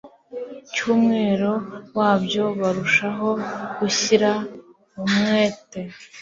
cyumwero wabyo barushaho gushyira umwete